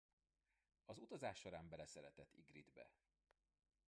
Az utazás során beleszeret Ygritte-be.